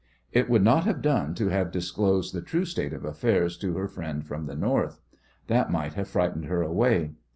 It would not have done to have disclosed the true state of affairs to her friend from the North. That might have frightened her away.